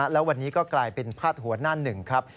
แล้ววันนี้ก็กลายเป็นพาดหัวหน้าหนึ่งครับ